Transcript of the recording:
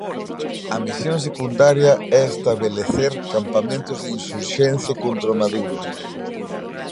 A misión secundaria é estabelecer campamentos de insurxencia contra Maduro.